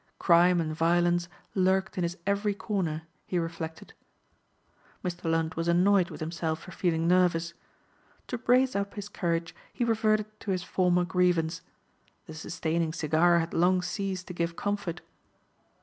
Crime and violence lurked in its every corner, he reflected. Mr. Lund was annoyed with himself for feeling nervous. To brace up his courage he reverted to his former grievance. The sustaining cigar had long ceased to give comfort.